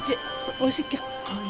おいしい。